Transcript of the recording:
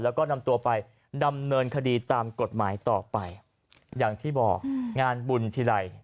แล้วก็นำตัวไปดำเนินคดีตามกฎหมายต่อไปอย่างที่บอกงานบุญทีไร